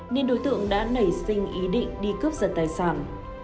nên đối tượng đã nảy sinh ý định đi cướp giật tài sản